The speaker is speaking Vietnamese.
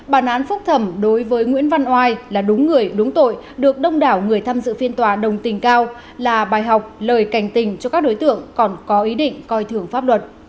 bản án phúc thẩm đối với nguyễn văn oai là đúng người đúng tội được đông đảo người tham dự phiên tòa đồng tình cao là bài học lời cảnh tình cho các đối tượng còn có ý định coi thường pháp luật